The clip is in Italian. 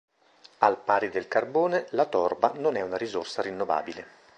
Al pari del carbone, la torba non è una risorsa rinnovabile.